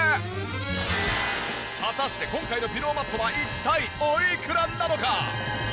果たして今回のピローマットは一体おいくらなのか？